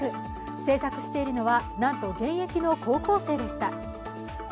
製作しているのは、なんと現役の高校生でした。